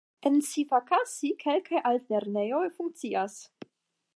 En Sivakasi kelkaj altlernejoj funkcias.